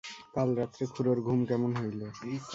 কাল রাত্রে খুড়োর ঘুম কেমন হইল?